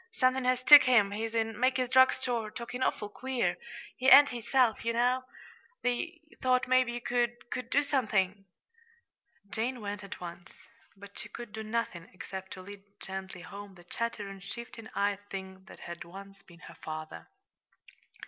"Somethin' has took him. He's in Mackey's drug store, talkin' awful queer. He ain't his self, ye know. They thought maybe you could do somethin'." Jane went at once but she could do nothing except to lead gently home the chattering, shifting eyed thing that had once been her father.